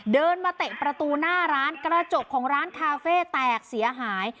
เดินมาเตะประตูหน้าร้านกระจกของร้านคาเฟ่แตกเสียหาย